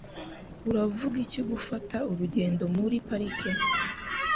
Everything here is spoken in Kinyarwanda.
Uravuga iki gufata urugendo muri parike?